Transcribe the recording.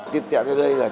tiếp theo đây là